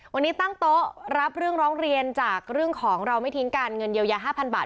วันนี้ตั้งโต๊ะรับเรื่องร้องเรียนจากเรื่องของเราไม่ทิ้งกันเงินเยียวยา๕๐๐บาท